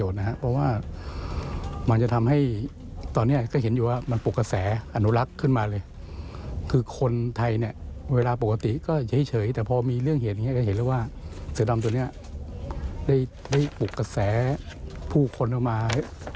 สิรรามตัวนี้ได้ปลุกกระแสผู้คนเข้ามา